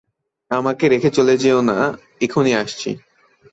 আমাকে রেখে চলে যেও না, এখুনি আসছি।